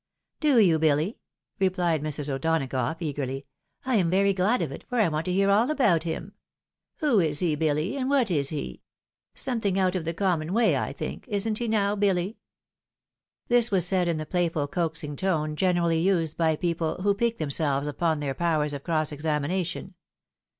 "Do you, BiUy?" replied Mrs. O'Donagough, eagerly; " I am very glad of it, for I want to hear all about him. Who is he, Billy ? And what is he ? Something out of the common way, I think ; ins't he now, Billy ?" This was said in the playful coaxing tone, generally used by people who pique themselves upon their powers of cross examination.